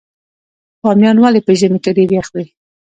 بامیان ولې په ژمي کې ډیر یخ وي؟